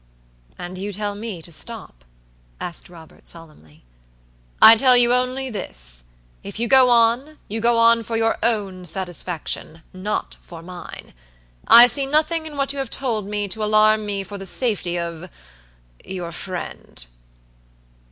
"And you tell me to stop?" asked Robert, solemnly. "I tell you only this: If you go on, you go on for your own satisfaction, not for mine. I see nothing in what you have told me to alarm me for the safety ofyour friend."